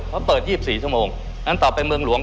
เขาเปิด๒๔ชั่วโมงอันต่อไปเมืองหลวง